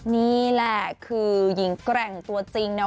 นี่แหละคือหญิงแกร่งตัวจริงนะ